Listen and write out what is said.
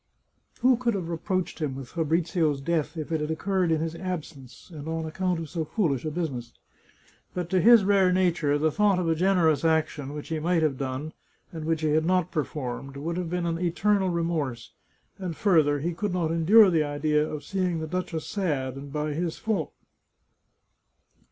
Who could have reproached him with Fa brizio's death if it had occurred in his absence, and on ac count of so foolish a business ? But to his rare nature, the thought of a generous action, which he might have done, and which he had not performed, would have been an eternal remorse ; and, further, he could not endure the idea of seeing the duchess sad, and by his fault.